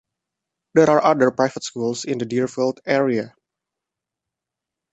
There are other private schools in the Deerfield area.